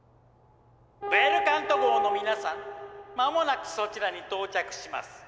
「ベルカント号の皆さん間もなくそちらに到着します」。